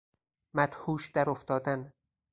مدهوش درافتادن